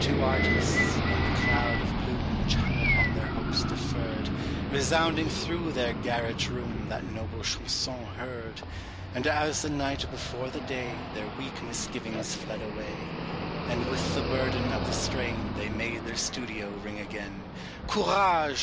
Two artists, in the cloud of gloom Which hung upon their hopes deferred, Resounding through their garret room That noble chanson heard; And as the night before the day Their weak misgivings fled away; And with the burden of the strain They made their studio ring again Courage!